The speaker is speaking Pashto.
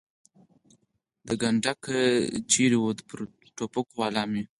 د ده کنډک چېرې و؟ پر ټوپکوالو مې.